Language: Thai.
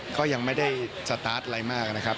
ก็ยังไม่ได้สตาร์ทอะไรมากนะครับ